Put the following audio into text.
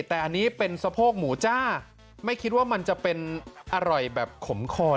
แต่อันนี้เป็นสะโพกหมูจ้าไม่คิดว่ามันจะเป็นอร่อยแบบขมคอน